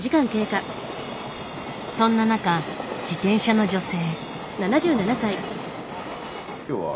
そんな中自転車の女性。